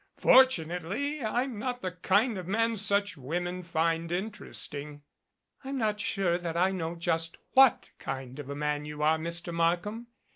Fortunately I'm not the kind of man such women find interesting." "I'm not sure that I know just what kind of a man you are, Mr. Markham.